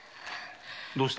どうした？